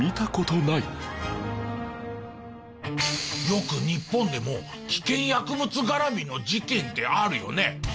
よく日本でも危険薬物絡みの事件ってあるよね。